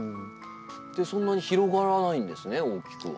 そんなに広がらないんですね大きくは。